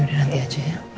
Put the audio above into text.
ya udah nanti aja ya